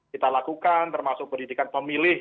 kita lakukan termasuk pendidikan pemilih